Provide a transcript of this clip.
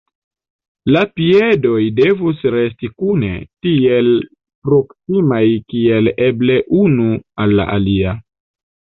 La piedoj devus resti kune, tiel proksimaj kiel eble unu al la alia.